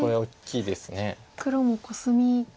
黒もコスミ。